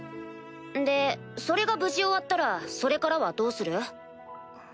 でそれが無事終わったらそれからはどうする？